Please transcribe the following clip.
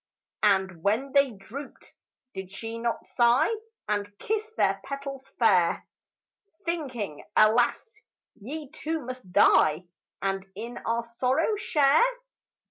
And when they drooped, did she not sigh And kiss their petals fair, Thinking, "Alas, ye too must die And in our sorrow share"?